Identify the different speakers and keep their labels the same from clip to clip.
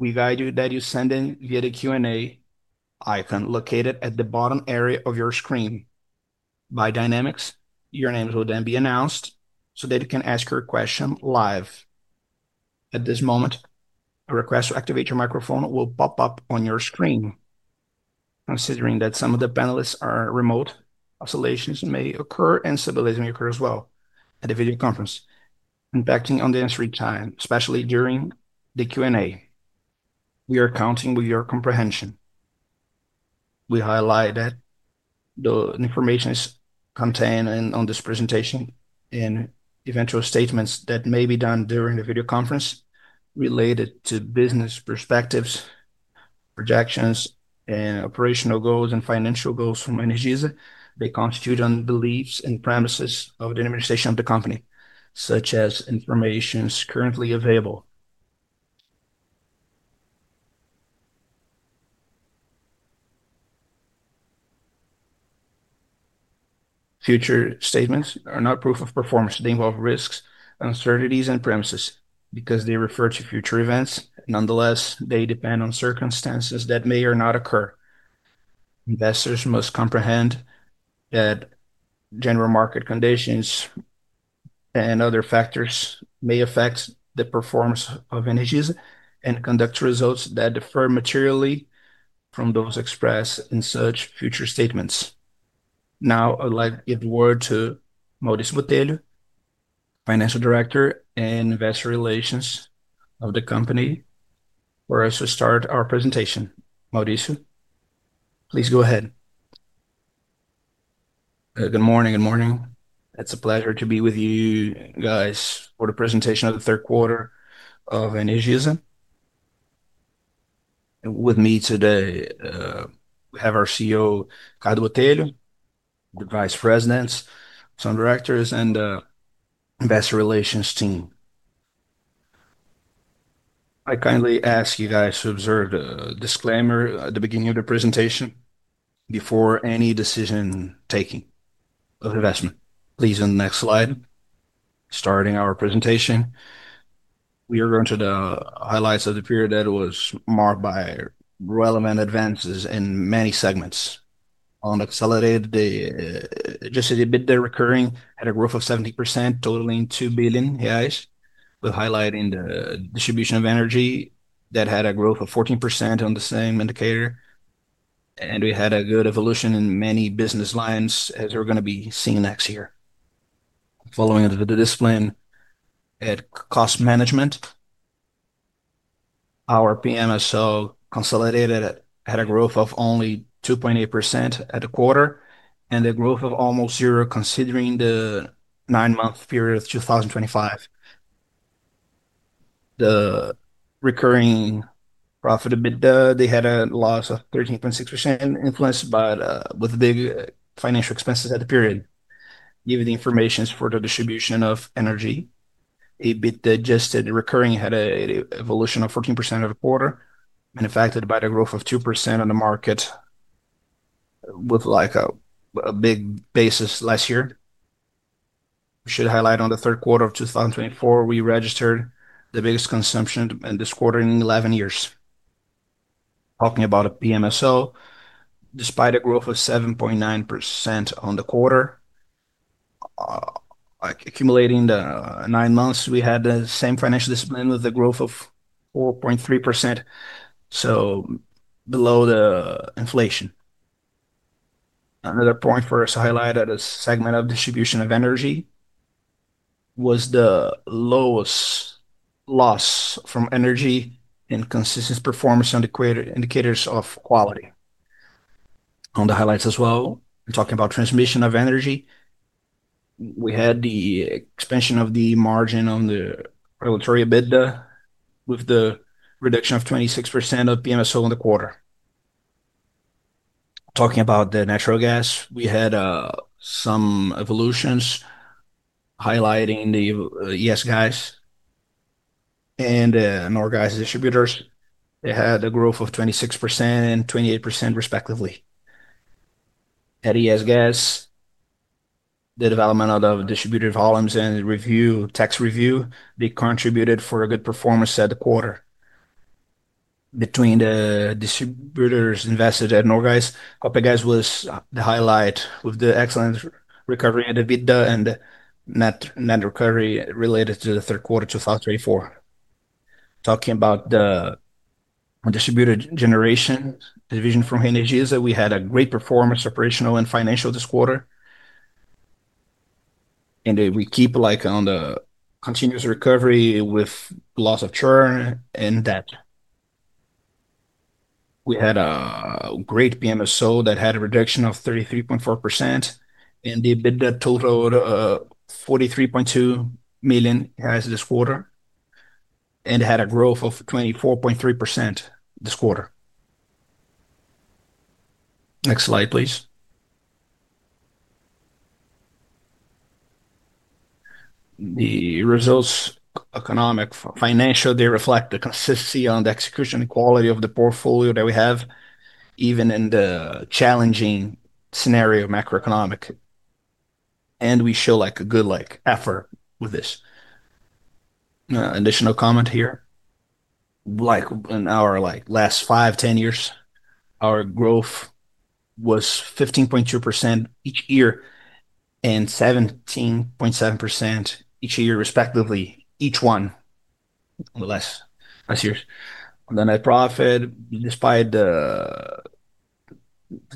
Speaker 1: We value that you send in via the Q&A icon located at the bottom area of your screen. By dynamics, your names will then be announced so that you can ask your question live. At this moment, a request to activate your microphone will pop up on your screen. Considering that some of the panelists are remote, oscillations may occur, and stabilizing occurs well at the video conference, impacting on the answering time, especially during the Q&A. We are counting with your comprehension. We highlight that the information contained on this presentation and eventual statements that may be done during the video conference related to business perspectives, projections, and operational goals and financial goals from Energisa. They constitute on beliefs and premises of the administration of the company, such as information currently available. Future statements are not proof of performance. They involve risks, uncertainties, and premises because they refer to future events. Nonetheless, they depend on circumstances that may or may not occur. Investors must comprehend that general market conditions and other factors may affect the performance of Energisa and conduct results that differ materially from those expressed in such future statements. Now, I'd like to give the word to Maurício Botelho, Financial Director and Investor Relations of the company, as we start our presentation. Maurício, please go ahead.
Speaker 2: Good morning. It's a pleasure to be with you guys for the presentation of the third quarter of Energisa. With me today, we have our CEO, Cláudio Botelho, the Vice Presidents, some directors, and the Investor Relations team. I kindly ask you guys to observe the disclaimer at the beginning of the presentation before any decision-taking of investment. Please, on the next slide, starting our presentation, we are going to the highlights of the period that was marked by relevant advances in many segments. On accelerated, just a bit there recurring, had a growth of 70%, totaling 2 billion reais, with highlighting the distribution of energy that had a growth of 14% on the same indicator. We had a good evolution in many business lines, as we're going to be seeing next year. Following the discipline at cost management, our PMSO consolidated at a growth of only 2.8% at the quarter and a growth of almost zero considering the nine-month period of 2025. The recurring profitability, they had a loss of 13.6% influenced by the big financial expenses at the period. Given the information for the distribution of energy, a bit adjusted, recurring had an evolution of 14% of the quarter, manufactured by the growth of 2% on the market with a big basis last year. We should highlight on the third quarter of 2024, we registered the biggest consumption in this quarter in 11 years. Talking about a PMSO, despite a growth of 7.9% on the quarter, accumulating the nine months, we had the same financial discipline with a growth of 4.3%, so below the inflation. Another point for us to highlight at a segment of distribution of energy was the lowest loss from energy in consistent performance on the indicators of quality. On the highlights as well, talking about transmission of energy, we had the expansion of the margin on the regulatory beta with the reduction of 26% of PMSO in the quarter. Talking about the natural gas, we had some evolutions highlighting the ESGás and NorGás distributors. They had a growth of 26% and 28%, respectively. At ESGás, the development of distributed volumes and review, tax review, they contributed for a good performance at the quarter. Between the distributors invested at NorGás, CopyGuys was the highlight with the excellent recovery at the beta and net recovery related to the third quarter 2024. Talking about the distributed generation division from Energisa, we had a great performance, operational, and financial this quarter. We keep on the continuous recovery with loss of churn and debt. We had a great PMSO that had a reduction of 33.4%, and the EBITDA totaled 43.2 million this quarter, and it had a growth of 24.3% this quarter. Next slide, please. The results, economic, financial, they reflect the consistency on the execution and quality of the portfolio that we have, even in the challenging scenario, macroeconomic. We show a good effort with this. Additional comment here. In our last five, ten years, our growth was 15.2% each year and 17.7% each year, respectively, each one in the last years. On the net profit, despite the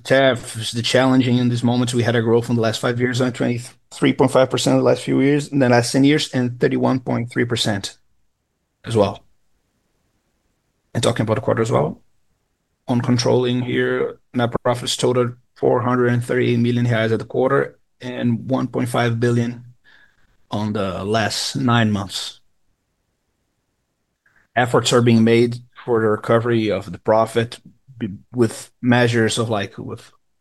Speaker 2: tariffs, the challenging in these moments, we had a growth in the last five years of 23.5% in the last few years, and the last ten years and 31.3% as well. Talking about the quarter as well, on controlling here, net profits totaled 438 million reais at the quarter and 1.5 billion in the last nine months. Efforts are being made for the recovery of the profit with measures of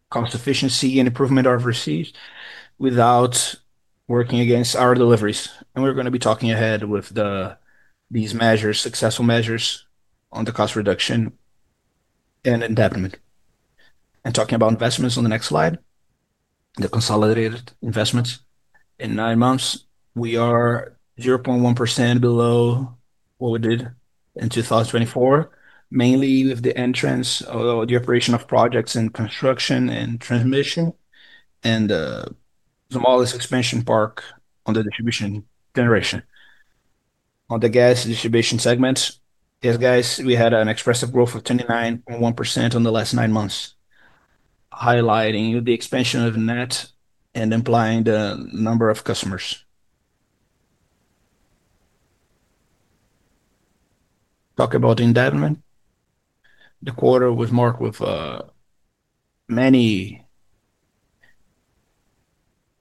Speaker 2: cost efficiency and improvement overseas without working against our deliveries. We are going to be talking ahead with these measures, successful measures on the cost reduction and endowment. Talking about investments on the next slide, the consolidated investments. In nine months, we are 0.1% below what we did in 2024, mainly with the entrance of the operation of projects in construction and transmission and the smallest expansion park on the distributed generation. On the gas distribution segment, ESGás, we had an expressive growth of 29.1% in the last nine months, highlighting the expansion of net and implying the number of customers. Talking about endowment, the quarter was marked with many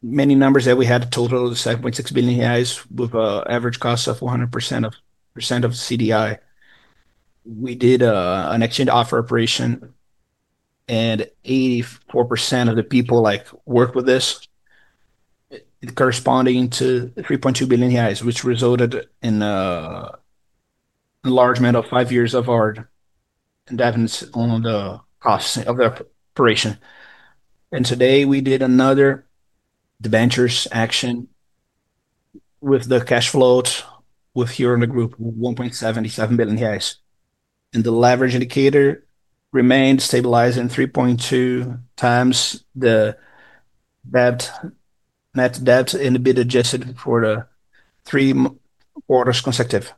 Speaker 2: numbers that we had a total of 7.6 billion reais with an average cost of 100% of CDI. We did an exchange offer operation, and 84% of the people worked with this, corresponding to 3.2 billion, which resulted in an enlargement of five years of our endowments on the cost of the operation. Today, we did another ventures action with the cash flows with here in the group, 1.77 billion reais. The leverage indicator remained stabilized in 3.2 times the net debt in EBITDA adjusted for the three quarters consecutive.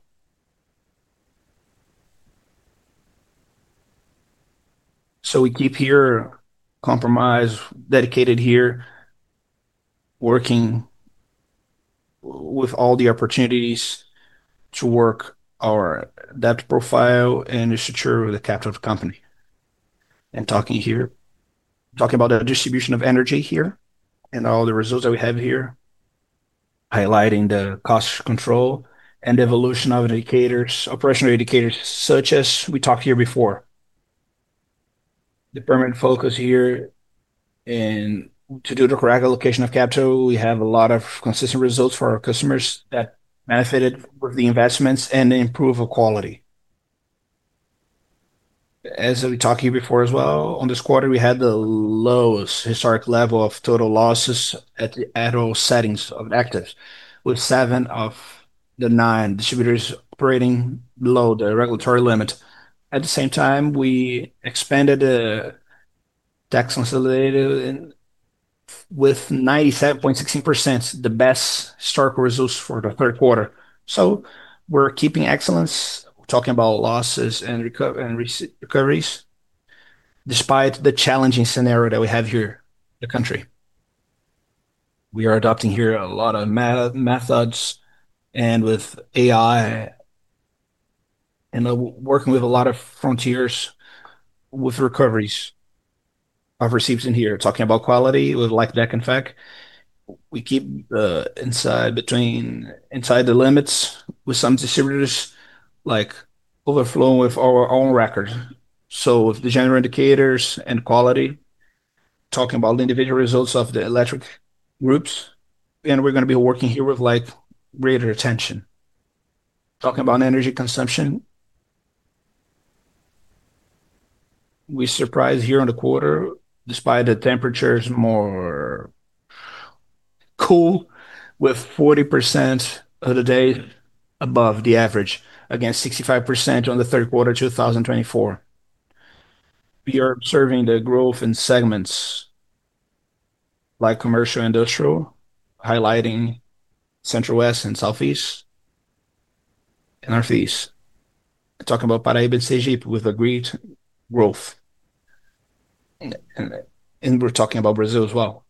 Speaker 2: We keep here compromise dedicated here, working with all the opportunities to work our debt profile and structure with the capital of the company. Talking about the distribution of energy here and all the results that we have here, highlighting the cost control and evolution of operational indicators, such as we talked here before. The permanent focus here and to do the correct allocation of capital, we have a lot of consistent results for our customers that benefited with the investments and improved quality. As we talked here before as well, on this quarter, we had the lowest historic level of total losses at all settings of actives, with seven of the nine distributors operating below the regulatory limit. At the same time, we expanded the tax consolidated with 97.16%, the best historical results for the third quarter. We are keeping excellence, talking about losses and recoveries, despite the challenging scenario that we have here, the country. We are adopting here a lot of methods and with AI and working with a lot of frontiers with recoveries of receipts in here. Talking about quality with like DEC and FEC, we keep inside the limits with some distributors overflowing with our own records. With the general indicators and quality, talking about the individual results of the electric groups, and we're going to be working here with greater attention. Talking about energy consumption, we surprised here in the quarter, despite the temperatures more cool, with 40% of the day above the average, again, 65% on the third quarter 2024. We are observing the growth in segments like commercial, industrial, highlighting Centro-Oeste and Sudeste, and Nordeste. Talking about Paraíba and Sergipe with a great growth. We are talking about Brazil as well.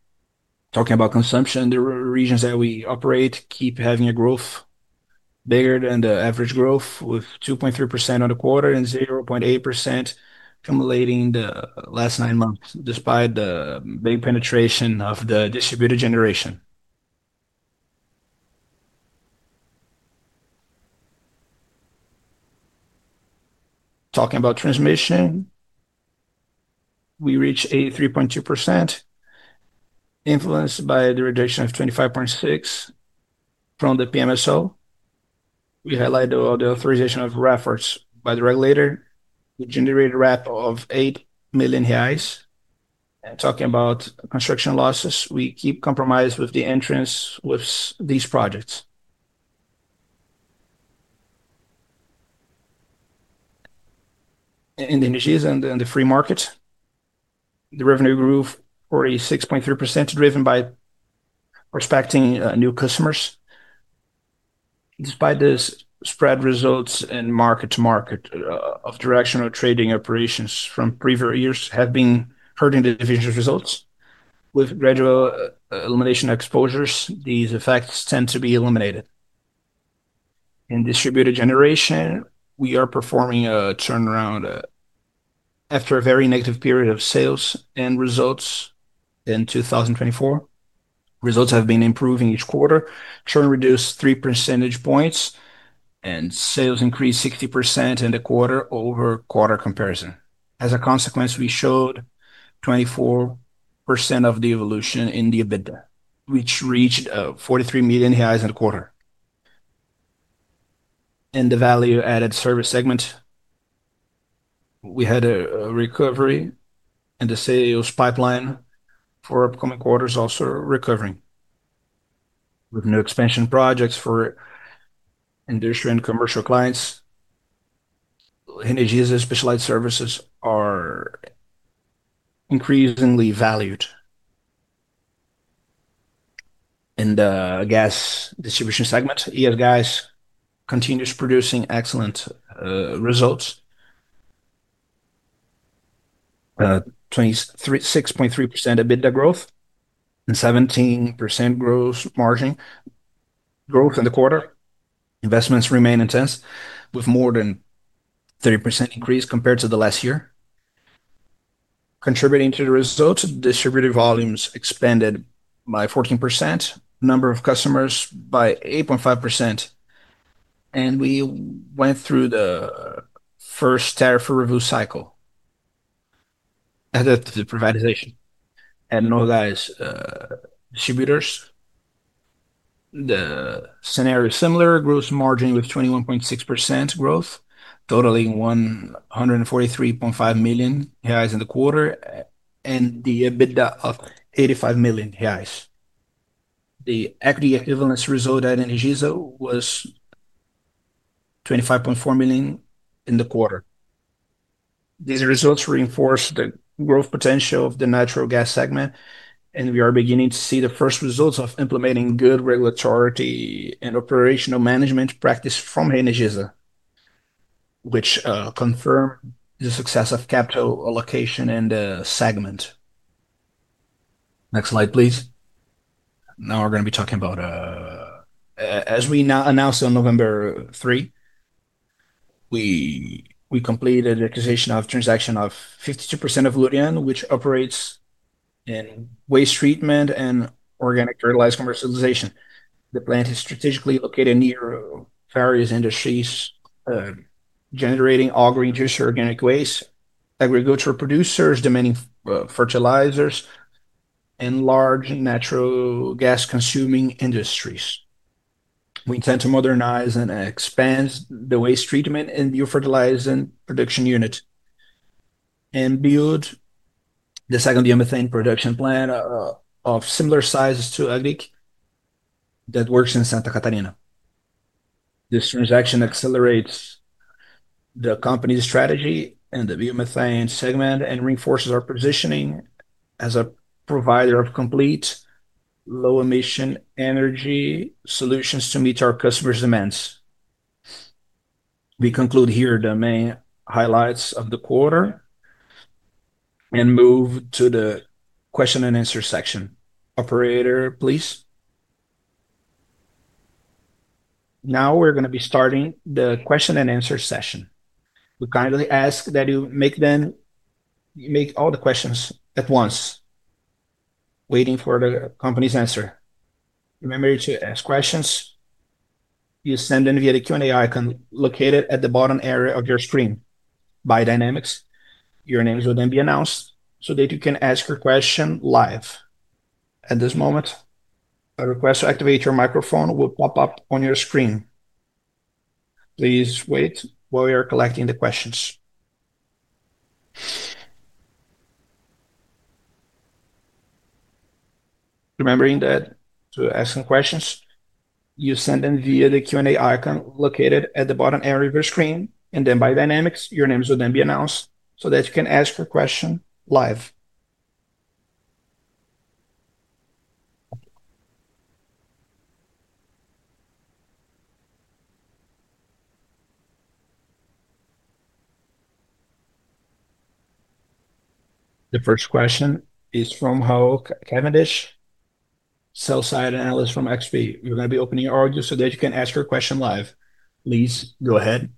Speaker 2: Talking about consumption, the regions that we operate keep having a growth bigger than the average growth, with 2.3% on the quarter and 0.8% accumulating the last nine months, despite the big penetration of the distributed generation. Talking about transmission, we reach a 3.2% influenced by the reduction of 25.6% from the PMSO. We highlight the authorization of reference by the regulator, which generated a ref of 8 million reais. Talking about construction losses, we keep compromise with the entrance with these projects. In the energies and the free market, the revenue grew 46.3%, driven by prospecting new customers. Despite the spread results and market-to-market of directional trading operations from previous years, have been hurting the division's results. With gradual elimination of exposures, these effects tend to be eliminated. In distributed generation, we are performing a turnaround after a very negative period of sales and results in 2024. Results have been improving each quarter, churn reduced 3 percentage points, and sales increased 60% in the quarter-over-quarter comparison. As a consequence, we showed 24% of the evolution in the EBITDA, which reached 43 million reais in the quarter. In the value-added service segment, we had a recovery, and the sales pipeline for upcoming quarters also recovering. With new expansion projects for industrial and commercial clients, energies and specialized services are increasingly valued. In the gas distribution segment, ESGás continues producing excellent results. 6.3% EBITDA growth and 17% gross margin growth in the quarter. Investments remain intense with more than 30% increase compared to the last year. Contributing to the results, distributed volumes expanded by 14%, number of customers by 8.5%, and we went through the first tariff review cycle at the privatization. All gas distributors, the scenario is similar, gross margin with 21.6% growth, totaling 143.5 million reais in the quarter, and the EBITDA of 85 million reais. The equity equivalence result at Energisa was 25.4 million in the quarter. These results reinforce the growth potential of the natural gas segment, and we are beginning to see the first results of implementing good regulatory and operational management practice from Energisa, which confirm the success of capital allocation in the segment. Next slide, please. Now we're going to be talking about, as we announced on November 3, we completed the acquisition transaction of 52% of Lurian, which operates in waste treatment and organic fertilizer commercialization. The plant is strategically located near various industries generating all green juice organic waste, agricultural producers demanding fertilizers, and large natural gas-consuming industries. We intend to modernize and expand the waste treatment and biofertilizer production unit and build the second biomethane production plant of similar size to Agriq that works in Santa Catarina. This transaction accelerates the company's strategy and the biomethane segment and reinforces our positioning as a provider of complete low-emission energy solutions to meet our customers' demands. We conclude here the main highlights of the quarter and move to the question and answer section. Operator, please.
Speaker 1: Now we're going to be starting the question and answer session. We kindly ask that you make all the questions at once, waiting for the company's answer. Remember to ask questions. You send them via the Q&A icon located at the bottom area of your screen. By Dynamics, your names will then be announced so that you can ask your question live. At this moment, a request to activate your microphone will pop up on your screen. Please wait while we are collecting the questions. Remembering that to ask some questions, you send them via the Q&A icon located at the bottom area of your screen, and then by Dynamics, your names will then be announced so that you can ask your question live. The first question is from Raul Cavendish, sell-side analyst from XP Investimentos. We're going to be opening our audience so that you can ask your question live. Please go ahead.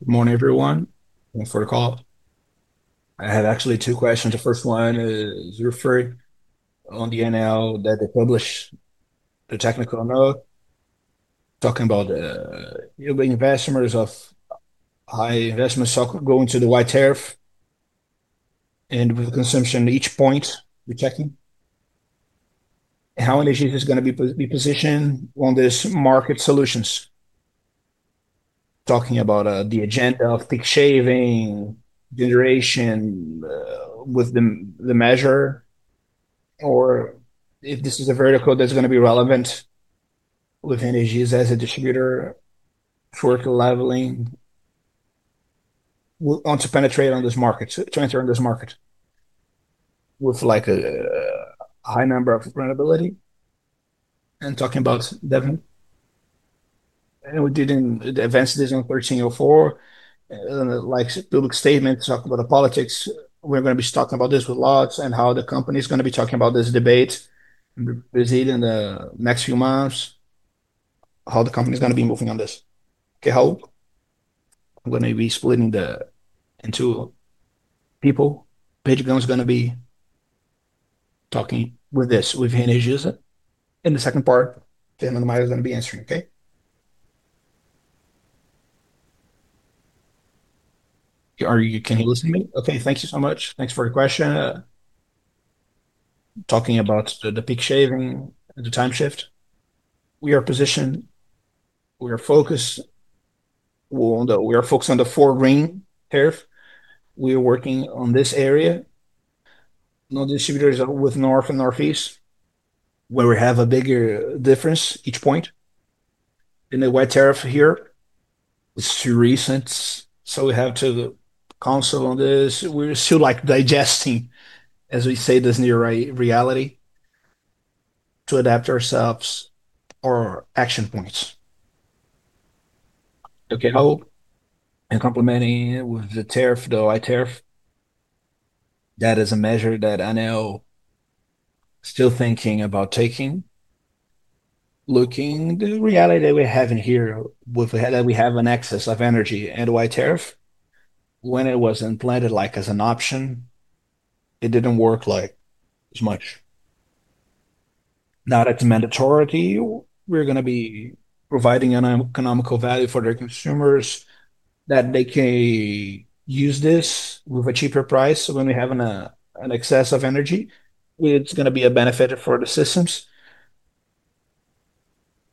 Speaker 3: Good morning, everyone. Thanks for the call. I have actually two questions. The first one is referring on the NL that they publish the technical note. Talking about investments of high investments going to the white tariff and with consumption at each point we're checking. How Energisa is going to be positioned on these market solutions? Talking about the agenda of peak shaving generation with the measure, or if this is a vertical that's going to be relevant with Energisa as a distributor for leveling onto penetrate on this market, to enter on this market with a high number of rentability. And talking about Devon. And we didn't advance this on 1304. In the public statement, talk about the politics. We're going to be talking about this with lots and how the company is going to be talking about this debate. We're busy in the next few months, how the company is going to be moving on this. Okay, Raul? I'm going to be splitting the. Into people. Pedro is going to be talking with this, with Energisa. In the second part, Fernando Maia is going to be answering, okay? Can you listen to me? Okay, thank you so much.
Speaker 2: Thanks for your question. Talking about the peak shaving and the time shift, we are positioned. We are focused on the four ring tariff. We are working on this area. No distributors with north and northeast where we have a bigger difference each point. In the white tariff here, it's too recent. We have to counsel on this. We're still digesting, as we say, this new reality to adapt ourselves or action points. Okay, Raul? Complementing with the tariff, the white tariff, that is a measure that I know still thinking about taking. Looking at the reality that we have in here, that we have an excess of energy and white tariff. When it was implanted as an option, it didn't work as much. Now that's a mandatory. We're going to be providing an economical value for their consumers that they can use this with a cheaper price. When we have an excess of energy, it's going to be a benefit for the systems.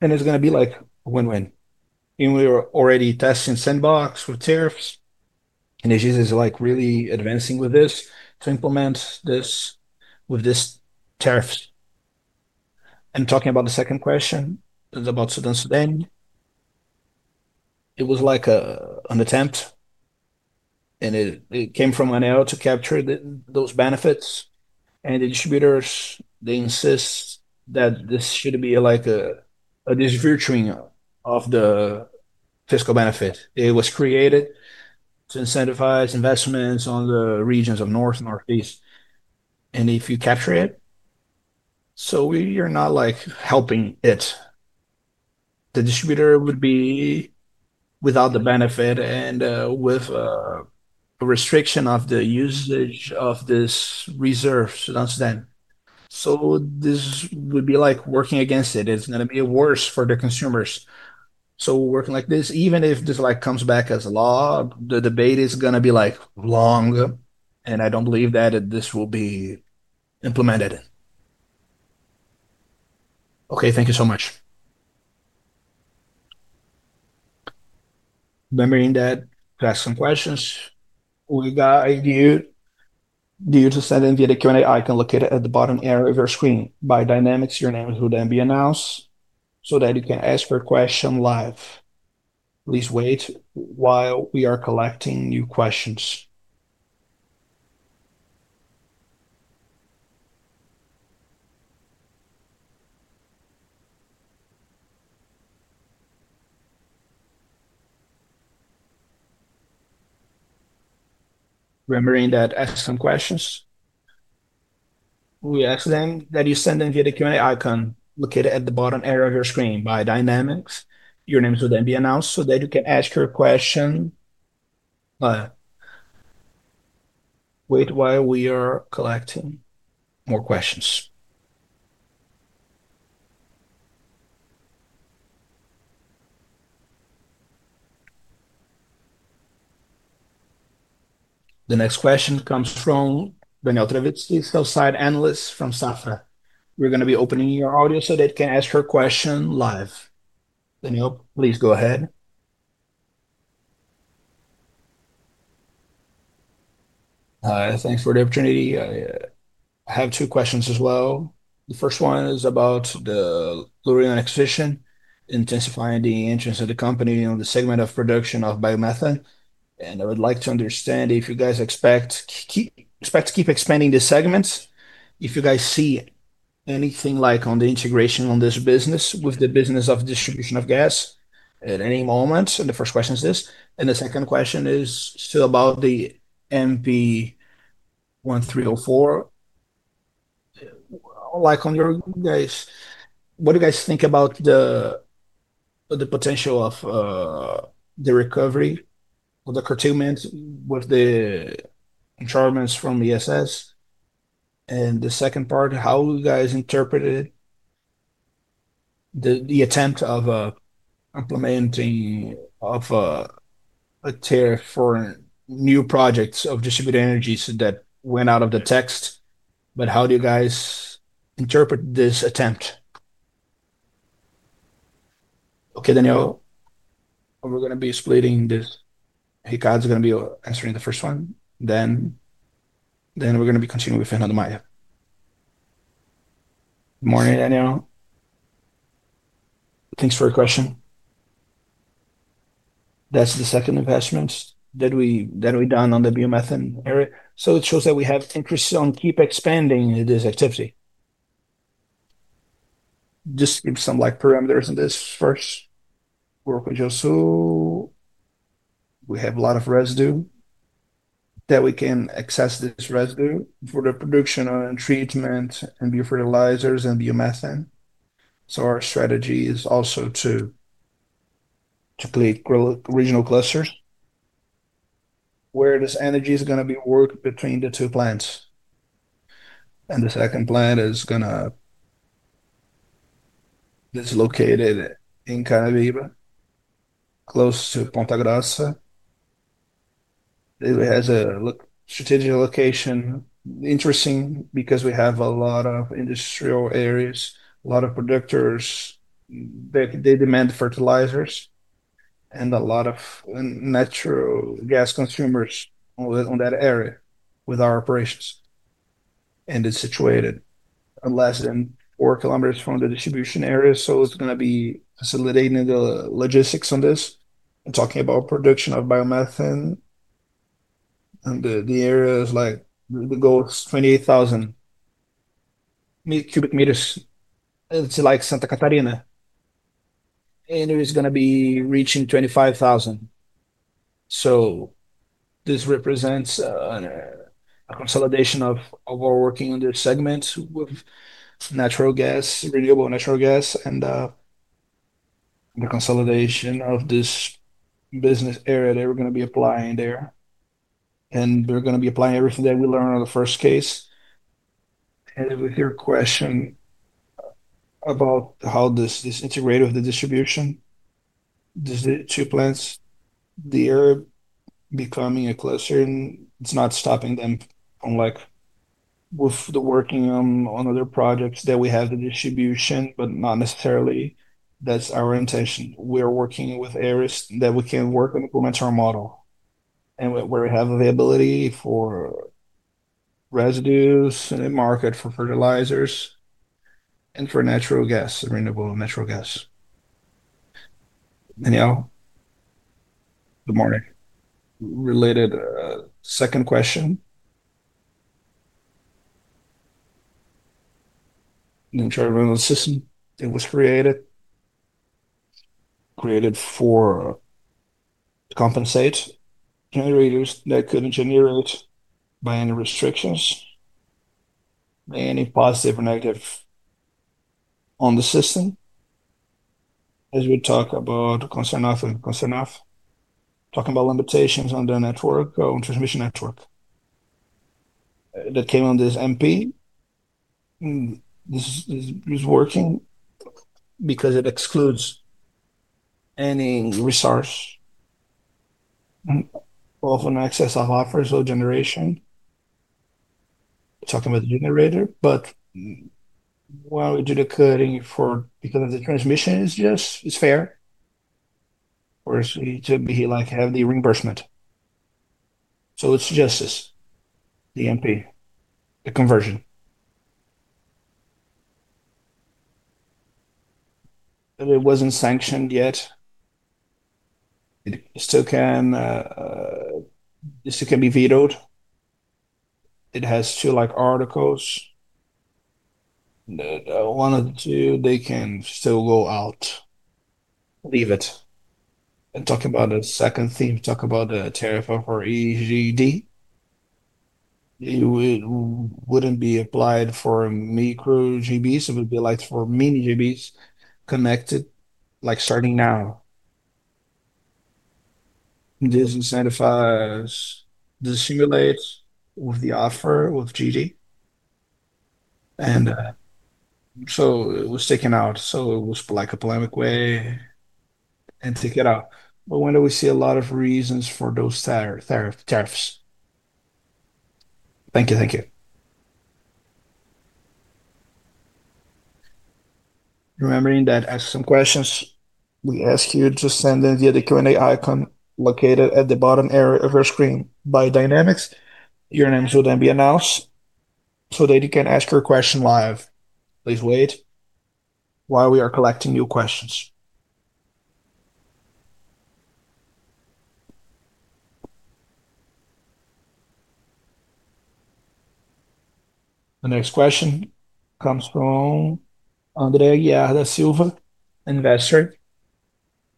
Speaker 2: It's going to be a win-win. We were already testing sandbox with tariffs. Energisa is really advancing with this to implement this with these tariffs. Talking about the second question, it's about Sudan-Sudan. It was an attempt, and it came from an error to capture those benefits. The distributors insist that this should be a disvirtuing of the fiscal benefit. It was created to incentivize investments in the regions of north and northeast. If you capture it, we are not helping it. The distributor would be without the benefit and with a restriction of the usage of this reserve, Sudan-Sudan. This would be working against it. It's going to be worse for the consumers. Working like this, even if this comes back as a law, the debate is going to be long, and I do not believe that this will be implemented.
Speaker 3: Okay, thank you so much.
Speaker 1: Remembering that to ask some questions, we ask that you send in via the Q&A icon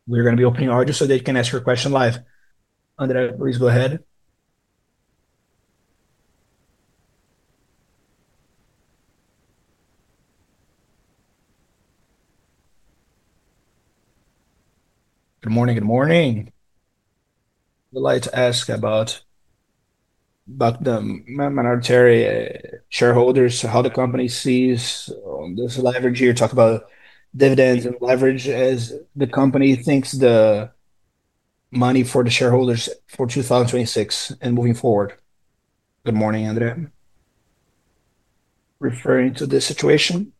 Speaker 1: We're going to be opening our audio so that you can ask your question live. Andrea, please go ahead.
Speaker 4: Good morning. Good morning. We'd like to ask about the minority shareholders, how the company sees this leverage here. Talk about dividends and leverage as the company thinks the money for the shareholders for 2026 and moving forward. Good morning, Andrea. Referring to this situation,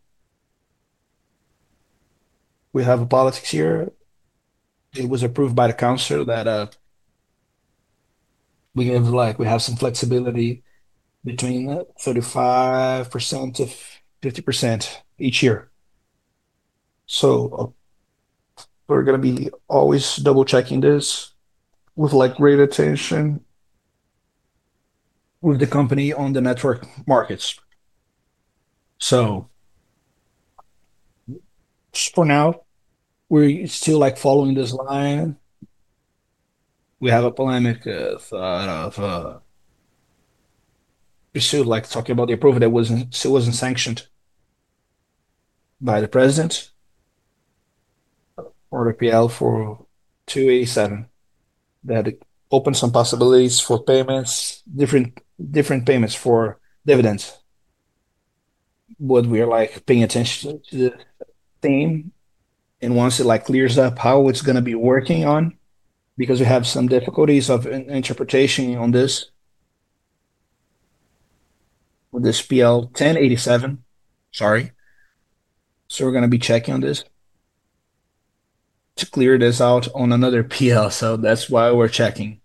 Speaker 4: we have a politics here. It was approved by the council that we have some flexibility between 35%-50% each year. So we're going to be always double-checking this with great attention with the company on the network markets. For now, we're still following this line. We have a polemic of pursued talking about the approval that was not sanctioned by the president or the PL 287 that opened some possibilities for payments, different payments for dividends. We are paying attention to the theme. Once it clears up, how it is going to be working on because we have some difficulties of interpretation on this with this PL 1087. Sorry. We are going to be checking on this to clear this out on another PL. That is why we are checking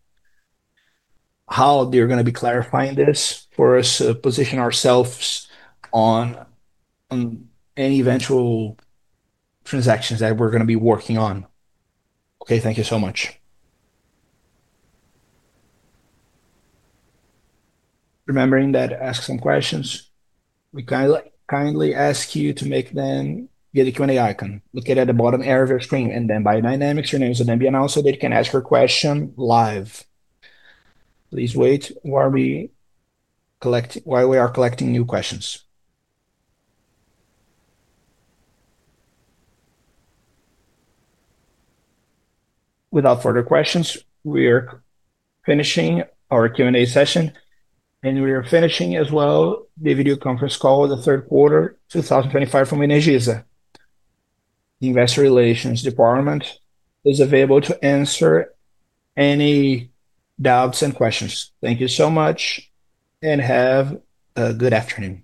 Speaker 4: how they are going to be clarifying this for us to position ourselves on any eventual transactions that we are going to be working on. Okay. Thank you so much.
Speaker 2: Remembering that to ask some questions, we kindly ask you to make them via the Q&A icon. Look at it at the bottom area of your screen. By Dynamics, your names will then be announced so that you can ask your question live. Please wait while we are collecting new questions.
Speaker 1: Without further questions, we are finishing our Q&A session. We are finishing as well the video conference call with the third quarter 2025 from Energisa. The investor relations department is available to answer any doubts and questions. Thank you so much. Have a good afternoon.